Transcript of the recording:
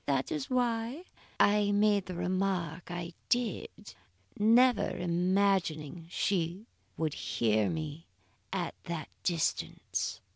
"That is why I made the remark I did, never imagining she would hear me at that distance.